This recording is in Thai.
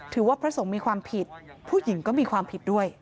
พระสงฆ์มีความผิดผู้หญิงก็มีความผิดด้วย